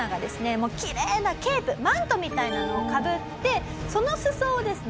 もうキレイなケープマントみたいなのをかぶってその裾をですね